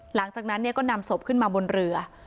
หลังจากนั้นก็นำศพขึ้นมาบนเรือ